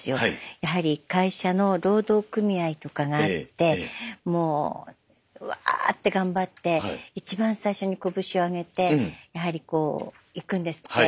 やはり会社の労働組合とかがあってもうワーッて頑張って一番最初にこぶしをあげてやはりこう行くんですって。